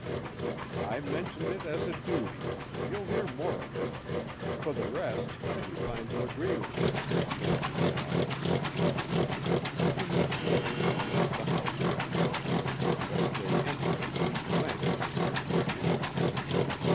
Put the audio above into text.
"I mentioned it as a duty ye'll hear more of it; for the rest, I'm inclined to agree with ye," Nairn replied. A few minutes later he went into the house with Carroll, and as they entered it he glanced at his companion.